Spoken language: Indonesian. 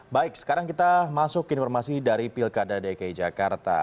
baik sekarang kita masuk ke informasi dari pilkada dki jakarta